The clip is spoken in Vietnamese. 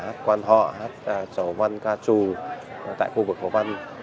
hát quan họ hát chầu văn ca trù tại khu vực hồ văn